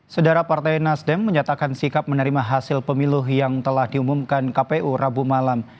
sedara partai nasdem menyatakan sikap menerima hasil pemilu yang telah diumumkan kpu rabu malam